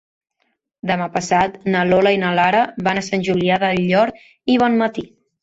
Demà passat na Lola i na Lara van a Sant Julià del Llor i Bonmatí.